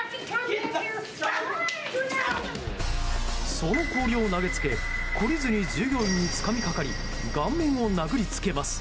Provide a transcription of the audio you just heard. その氷を投げつけ懲りずに従業員につかみかかり顔面を殴りつけます。